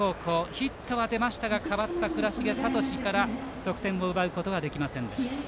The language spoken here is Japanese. ヒットは出ましたが代わった倉重聡から得点を奪うことはできませんでした。